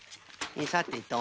さてと。